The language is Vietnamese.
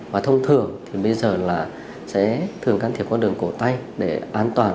và thông thường thì bây giờ là sẽ thường can thiệp con đường cổ tay để an toàn